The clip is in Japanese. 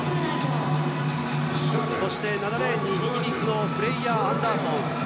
７レーンにイギリスのフレイヤ・アンダーソン。